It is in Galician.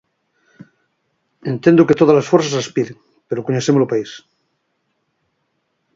Entendo que todas as forzas aspiren, pero coñecemos o país.